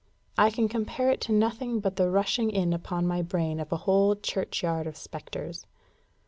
I can compare it to nothing but the rushing in upon my brain of a whole churchyard of spectres.